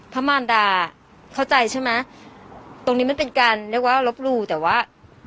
มารดาเข้าใจใช่ไหมตรงนี้มันเป็นการเรียกว่าลบหลู่แต่ว่า